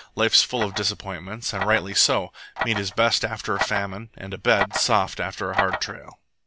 Life's full of disappointments, and rightly so. Meat is best after a famine, and a bed soft after a hard trail.